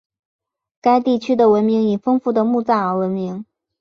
该地区的文明以丰富的墓葬而闻名。